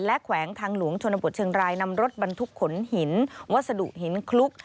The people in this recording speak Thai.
และแขวงทางหลวงชนบทเชียงรายนำรถบรรทุกขนหินวัสดุหินคลุก